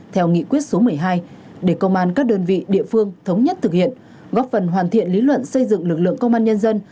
theo nghị quyết số một mươi hai để công an các đơn vị địa phương thống nhất thực hiện góp phần hoàn thiện lý luận xây dựng lực lượng công an nhân dân